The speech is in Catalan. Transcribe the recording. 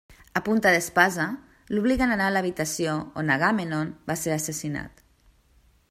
A punta d'espasa, l'obliguen a anar a l'habitació on Agamèmnon va ser assassinat.